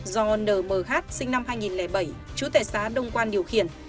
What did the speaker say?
do nmh sinh năm hai nghìn bảy trú tại xá đông quan điều khiển